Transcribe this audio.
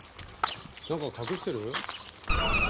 なんか隠してる？